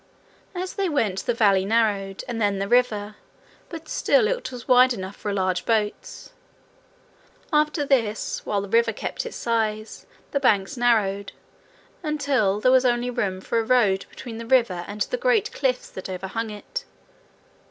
As they went the valley narrowed, and then the river, but still it was wide enough for large boats. After this, while the river kept its size, the banks narrowed, until there was only room for a road between the river and the great Cliffs that overhung it.